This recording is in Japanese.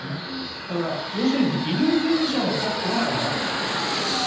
だから、要するに医療従事者の確保が難しいということです。